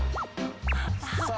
さあ。